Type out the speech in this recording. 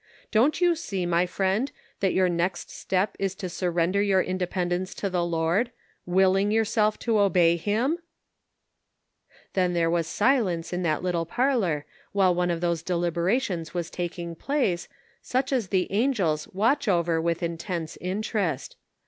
Don't you see, my friend, that your next step is to surrender your independence to the Lord, willing yourself to obey him ?" Then there was silence in that little parlor while one of those deliberations was taking place, such as the angels watch over with intense interest.